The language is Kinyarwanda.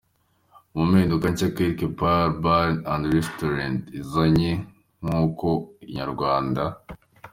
Mu mpinduka nshya Quelque part bar and Restaurant izanye nkuko Inyarwanda.